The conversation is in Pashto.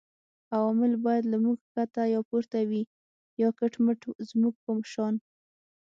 عوامل باید له موږ ښکته یا پورته وي یا کټ مټ زموږ په شان